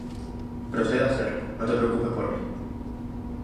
Procede a hacerlo, no te preocupes por mi".